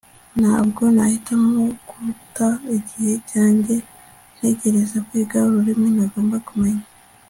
ntabwo nahitamo guta igihe cyanjye ngerageza kwiga ururimi ntagomba kumenya